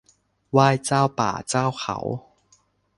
ไหว้เจ้าป่าเจ้าเขา